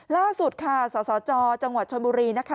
ล่าสุดค่ะสสจจังหวัดชนบุรีนะคะ